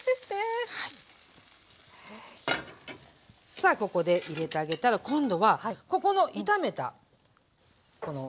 さあここで入れてあげたら今度はここの炒めたこのしょうが焼きですね。